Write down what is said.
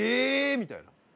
みたいな。